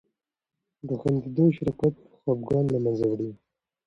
د خندیدو شراکت خفګان له منځه وړي.